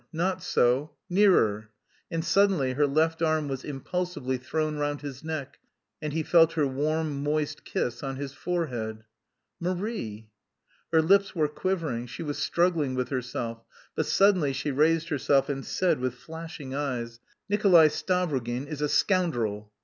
not so... nearer," and suddenly her left arm was impulsively thrown round his neck and he felt her warm moist kiss on his forehead. "Marie!" Her lips were quivering, she was struggling with herself, but suddenly she raised herself and said with flashing eyes: "Nikolay Stavrogin is a scoundrel!"